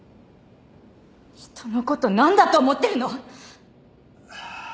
人のこと何だと思ってるの！？